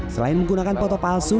selain menggunakan foto palsu